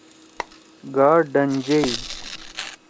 گا ڈنجئی۔